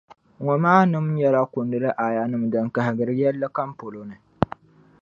Ŋɔmaanim’ nyɛla kunduli aayanim’ din kahigiri yɛlli kam polo ni.